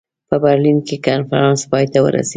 په برلین کې کنفرانس پای ته ورسېد.